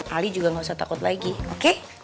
ali juga nggak usah takut lagi oke